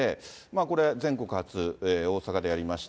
これ、全国初、大阪でやりました。